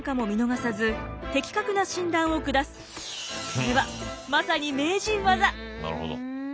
それはまさに名人技。